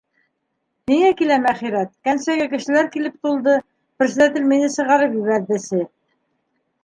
Һиңә киләм, әхирәт, кәнсәгә кешеләр килеп тулды, персиҙәтел мине сығарып ебәрҙесе...